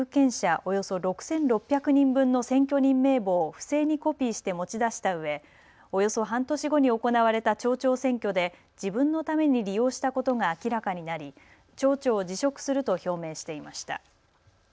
およそ６６００人分の選挙人名簿を不正にコピーして持ち出したうえおよそ半年後に行われた町長選挙で自分のために利用したことが明らかになり町長を辞職すると表明していました。